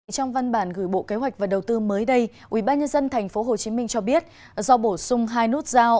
trong văn bản gửi bộ kế hoạch và đầu tư mới đây ubnd tp hcm cho biết do bổ sung hai nút giao